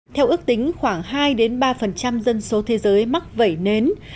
theo ước tính khoảng hai ba dân số thế giới mắc vẩy nến